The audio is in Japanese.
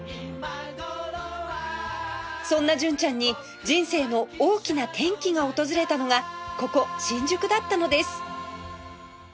そんな純ちゃんに人生の大きな転機が訪れたのがここ新宿だったのです